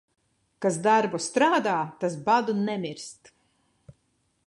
Kas darbu strādā, tas badu nemirst.